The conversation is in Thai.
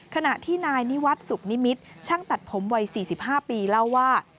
ขณะที่นายนิวัฒน์สุขนิมิตรช่างตัดผมวัย๔๕ปีเล่าว่า